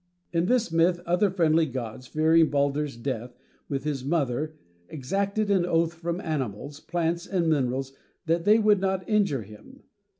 In this myth other friendly gods, fearing Baldur's death, with his mother, exacted an oath from animals, plants and minerals that they would not injure him.